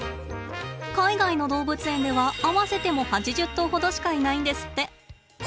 海外の動物園では合わせても８０頭ほどしかいないんですって。